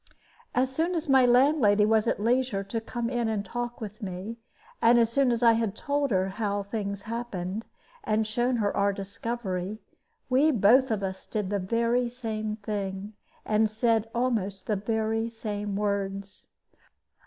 As soon as my landlady was at leisure to come in and talk with me, and as soon as I had told her how things happened, and shown her our discovery, we both of us did the very same thing, and said almost the very same words.